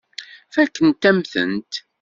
Fakkent-am-tent.